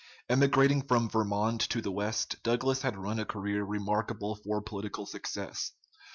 Emigrating from Vermont to the West, Douglas had run a career remarkable for political success.